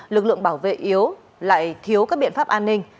lực lượng bảo vệ yếu lại thiếu các biện pháp an ninh